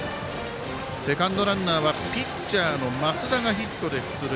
セカンドランナーはピッチャーの増田がヒットで出塁。